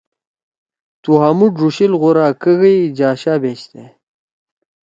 تُو ہامُو ڙُوشیل غورا کَگَئی جاشا بیشتے